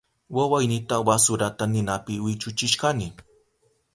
Wawaynita wasurata ninapi wichuchishkani.